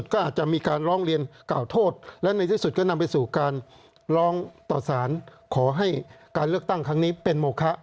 ขอให้การเลือกตั้งครั้งนี้เป็นหมุคคะ